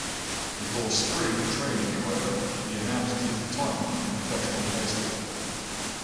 Before spring training however, he announced his retirement from professional baseball.